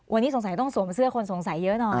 วันนี้สงสัยต้องสวมเสื้อคนสงสัยเยอะหน่อย